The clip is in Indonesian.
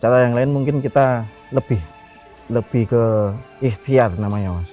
cara yang lain mungkin kita lebih ke ikhtiar namanya mas